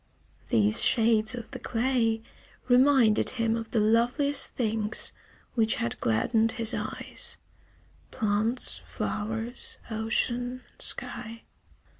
These shades of the clay reminded him of the loveliest things which had gladdened his eyes: plants, flowers, ocean, sky.